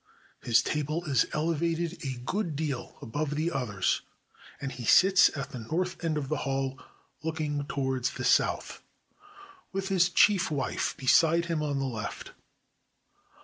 His table is elevated a good deal above the others, and he sits at the north end of the hall, looking towards the south, with his chief wife beside him on the left.